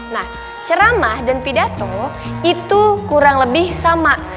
nah ceramah dan pidato itu kurang lebih sama